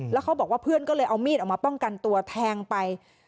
แล้วเขาบอกว่าเพื่อนก็เลยเอามีดออกมาป้องกันตัวแทงไป